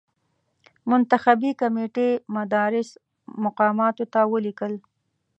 منتخبي کمېټې مدراس مقاماتو ته ولیکل.